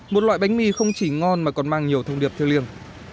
một loại bánh mì không chỉ ngon mà còn mang nhiều thông điệp theo liền